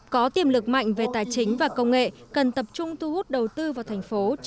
có tiềm lực mạnh về tài chính và công nghệ cần tập trung thu hút đầu tư vào thành phố